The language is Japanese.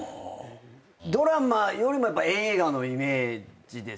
ドラマよりも映画のイメージですね。